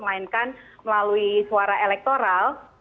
melainkan melalui suara elektoral